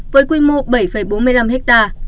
với quy mô bảy bốn mươi năm ha